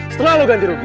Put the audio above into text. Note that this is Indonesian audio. setelah lo ganti rugi